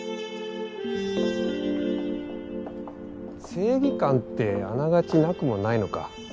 正義感ってあながちなくもないのか。